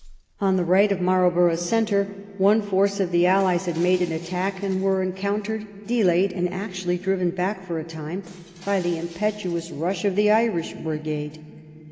On the right of Marlborough's centre one force of the allies had made an attack, and were encoun tered, delayed, and actually driven back for a time by the impetuous rush of the Irish brigade.